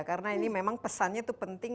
karena ini memang pesannya itu penting